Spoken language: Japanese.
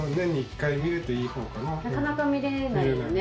なかなか見れないよね。